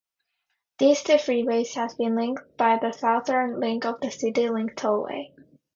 These two freeways have been linked by the southern link of the CityLink tollway.